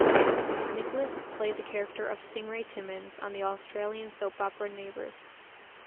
Nicholas played the character of Stingray Timmins on the Australian soap opera Neighbours.